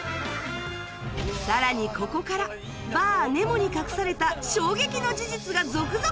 さらにここからバーねもに隠された衝撃の事実が続々登場！